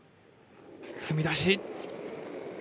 踏み出し。